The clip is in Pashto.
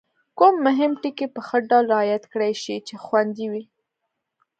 کوم مهم ټکي په ښه ډول رعایت کړای شي چې خوندي وي؟